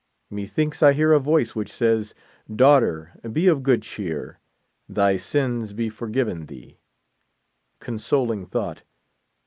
Methinks I hear a voice, which says : Daughter, be of good cheer ; thy sins be forgiven thee. Consoling thought